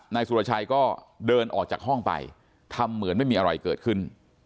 นายสุรชัยก็เดินออกจากห้องไปทำเหมือนไม่มีอะไรเกิดขึ้น